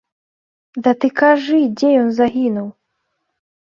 Да ты кажы, дзе ён загінуў!